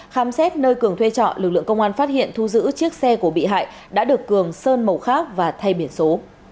khám xét nơi cường thuê trọ lực lượng công an phát hiện thu giữ chiếc xe của bị hại đã được cường sơn màu khác và thay biển số